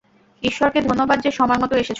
ঈশ্বরকে ধন্যবাদ যে সময়মতো এসেছ!